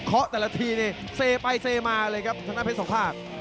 เขาแต่ละทีนี่เซไปเซมาเลยครับชนะเพชรสองภาค